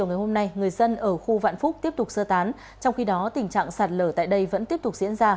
ở khu vạn phúc tiếp tục sơ tán trong khi đó tình trạng sạt lở tại đây vẫn tiếp tục diễn ra